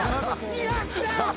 やったー！